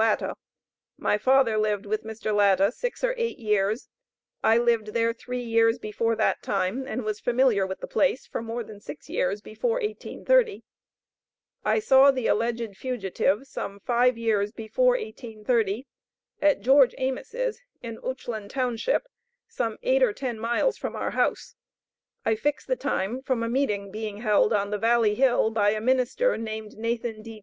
Latta; my father lived with Mr. Latta six or eight years; I lived there three years before that time, and was familiar with the place for more than six years before 1830; I saw the alleged fugitive some five years before 1830, at George Amos', in Uwchland township, some eight or ten miles from our house; I fix the time from a meeting being held on the Valley Hill by a minister, named Nathan D.